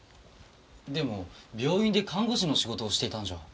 でも病院で看護師の仕事をしていたんじゃ。